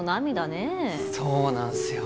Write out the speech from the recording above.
そうなんすよ。